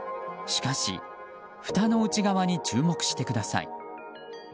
しかし、ふたの内側に注目してください。